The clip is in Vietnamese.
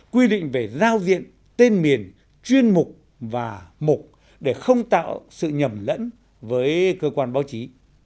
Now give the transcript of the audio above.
quy định về giao diện tên miền chuyên mục và mục để không tạo sự nhầm lẫn với cơ quan báo chí